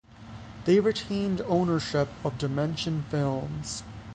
They retained ownership of Dimension Films.